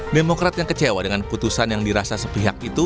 demokrat yang kecewa dengan putusan yang dirasa sepihak itu